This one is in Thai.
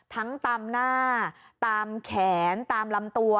ตามหน้าตามแขนตามลำตัว